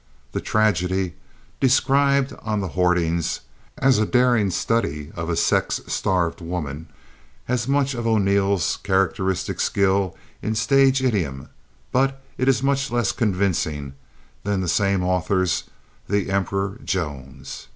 This tragedy, described on the hoardings as "a daring study of a sex starved woman," has much of O'Neill's characteristic skill in stage idiom, but it is much less convincing than the same author's The Emperor Jones.